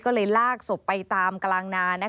ก็เลยลากศพไปตามกลางนา